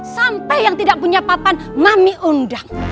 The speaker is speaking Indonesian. sampai yang tidak punya papan mami undang